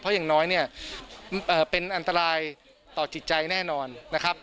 เพราะอย่างน้อยเนี่ยเป็นอันตรายต่อจิตใจแน่นอนนะครับ